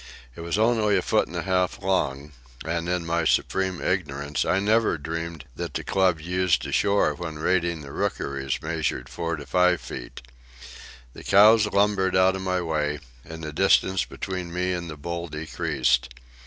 It was only a foot and a half long, and in my superb ignorance I never dreamed that the club used ashore when raiding the rookeries measured four to five feet. The cows lumbered out of my way, and the distance between me and the bull decreased.